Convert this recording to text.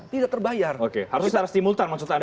tidak terbayar harusnya harus dimultan maksud anda tadi